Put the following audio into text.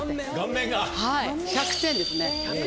１００点ですね。